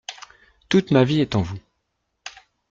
Toute ma vie est en vous.